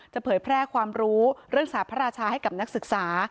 เผยแพร่ความรู้เรื่องสาพระราชาให้กับนักศึกษา